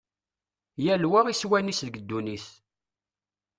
Yal wa iswan-is deg ddunit.